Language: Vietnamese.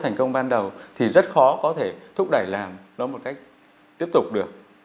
thành công ban đầu thì rất khó có thể thúc đẩy làm nó một cách tiếp tục được